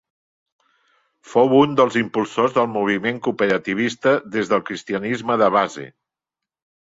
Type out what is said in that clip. Fou un dels impulsors del moviment cooperativista des del cristianisme de base.